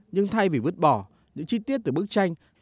nhưng thay vì vứt bỏ những chi tiết từ bức tranh